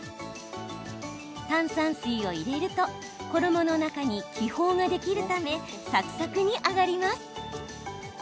炭酸水を入れると衣の中に気泡が出来るためサクサクに揚がります。